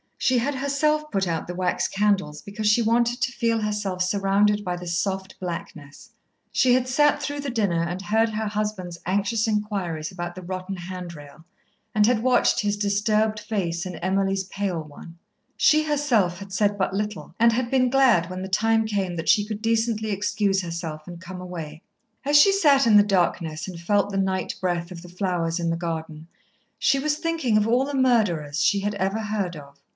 She had herself put out the wax candles, because she wanted to feel herself surrounded by the soft blackness. She had sat through the dinner and heard her husband's anxious inquiries about the rotten handrail, and had watched his disturbed face and Emily's pale one. She herself had said but little, and had been glad when the time came that she could decently excuse herself and come away. As she sat in the darkness and felt the night breath of the flowers in the garden, she was thinking of all the murderers she had ever heard of.